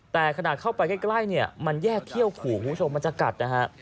แต่ขณะเข้าไปใกล้เนี่ยมันแยกเขี้ยวขู่คุณผู้ชมมันจะกัดนะฮะ